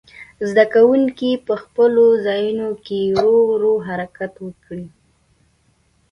زده کوونکي په خپلو ځایونو کې ورو ورو حرکت وکړي.